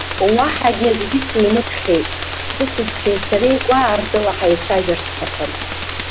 Уаҳагьы аӡәгьы симыԥхьеит, сысасцәеи сареи гәаартыла ҳаицәажәарц сҭахын.